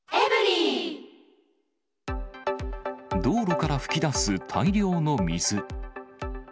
道路から噴き出す大量の水。